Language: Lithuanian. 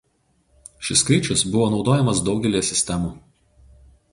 Šis skaičius buvo naudojamas daugelyje sistemų.